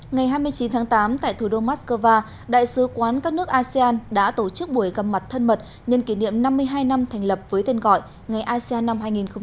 ngày hai mươi chín tháng tám tại thủ đô moscow đại sứ quán các nước asean đã tổ chức buổi gặp mặt thân mật nhân kỷ niệm năm mươi hai năm thành lập với tên gọi ngày asean năm hai nghìn hai mươi